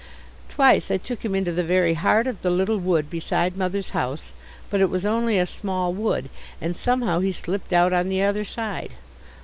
Twice I took him into the very heart of the little wood beside Mother's house, but it was only a small wood, and somehow he slipped out on the other side.